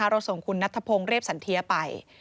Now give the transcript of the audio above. เราส่งคุณนัทพงศ์เรียบสันเทียไป